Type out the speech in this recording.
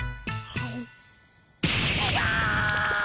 ちがう！